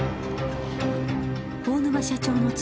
大沼社長の妻